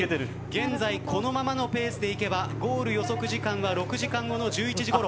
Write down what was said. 現在このままのペースでいけばゴール予測時間は６時間後の１１時ごろ。